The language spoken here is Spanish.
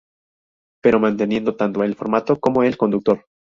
Pero manteniendo tanto el formato como el conductor.